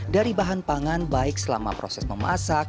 dari bahan pangan baik selama proses memasak